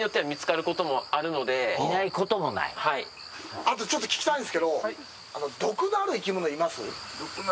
あと、ちょっと聞きたいんですけど、毒のある生き物、います？